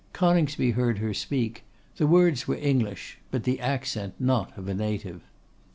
Coningsby heard her speak; the words were English, but the accent not of a native.